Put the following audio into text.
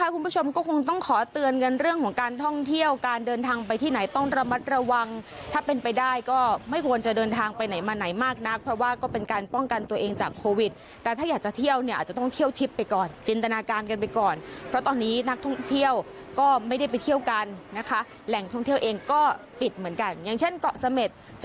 คุณผู้ชมก็คงต้องขอเตือนกันเรื่องของการท่องเที่ยวการเดินทางไปที่ไหนต้องระมัดระวังถ้าเป็นไปได้ก็ไม่ควรจะเดินทางไปไหนมาไหนมากนักเพราะว่าก็เป็นการป้องกันตัวเองจากโควิดแต่ถ้าอยากจะเที่ยวเนี่ยอาจจะต้องเที่ยวทิพย์ไปก่อนจินตนาการกันไปก่อนเพราะตอนนี้นักท่องเที่ยวก็ไม่ได้ไปเที่ยวกันนะคะแหล่งท่องเที่ยวเองก็ปิดเหมือนกันอย่างเช่นเกาะเสม็ดจะ